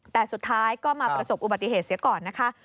แต่สุดท้ายก็มาประสบอุบัติเหตุเสียก่อนนะคะ